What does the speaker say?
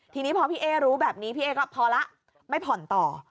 ทีนี้พอพี่เอ๊รู้แบบนี้พี่เอ๊ก็พอแล้วไม่ผ่อนต่อ